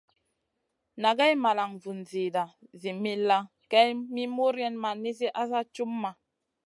Nagay malan vun zida zi millàh, kay mi muriayn ma nizi asa cumʼma.